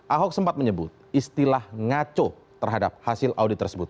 ahok sempat menyebut istilah ngaco terhadap hasil audit tersebut